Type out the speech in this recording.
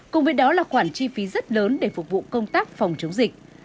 cùng với đó là khoản chi phí rất lớn để phục vụ công tác phòng chống dịch